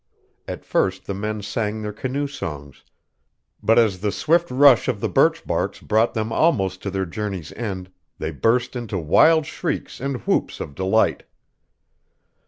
At first the men sang their canoe songs, but as the swift rush of the birch barks brought them almost to their journey's end, they burst into wild shrieks and whoops of delight.